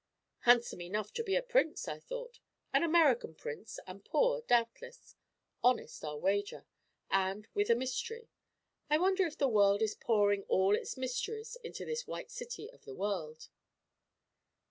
'Handsome enough to be a prince,' I thought. 'An American prince, and poor, doubtless. Honest, I'll wager; and with a mystery. I wonder if the world is pouring all its mysteries into this White City of the world.'